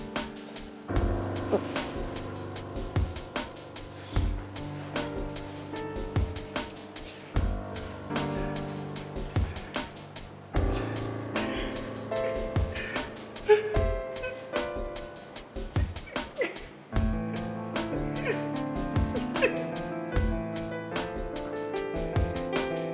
mas aku mau pergi